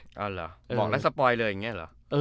เอาเหรอบอกรักสปอยเลยอย่างนี้เหรอ